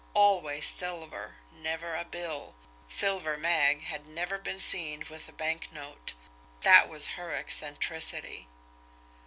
Always silver, never a bill; Silver Mag had never been seen with a banknote that was her eccentricity.